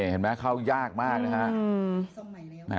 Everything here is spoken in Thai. เห็นไหมเข้ายากมากนะฮะ